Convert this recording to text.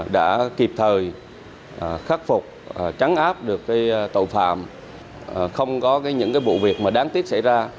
đã kịp thời khắc phục trắng áp được tội phạm không có những vụ việc đáng tiếc xảy ra